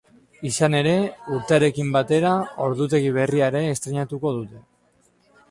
Izan ere, urtearekin batera, ordutegi berria ere estreinatuko dute.